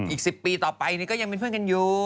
อีก๑๐ปีต่อไปนี้ก็ยังเป็นเพื่อนกันอยู่